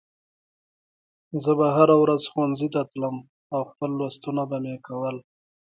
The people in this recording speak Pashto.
ما به هره ورځ ښوونځي ته تلم او خپل لوستونه به مې کول